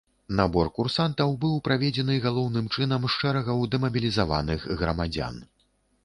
Набор курсантаў быў праведзены галоўным чынам з шэрагаў дэмабілізаваных грамадзян.